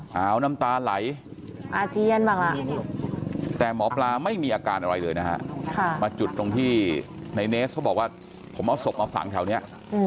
หาวน้ำตาไหลอาเจียนบ้างล่ะแต่หมอปลาไม่มีอาการอะไรเลยนะฮะมาจุดตรงที่ในเนสเขาบอกว่าผมเอาศพมาฝังแถวนี้